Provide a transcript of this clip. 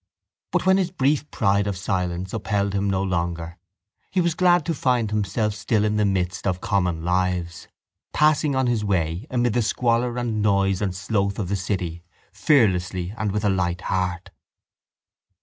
But when this brief pride of silence upheld him no longer he was glad to find himself still in the midst of common lives, passing on his way amid the squalor and noise and sloth of the city fearlessly and with a light heart.